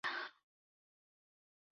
The interstices are much wider.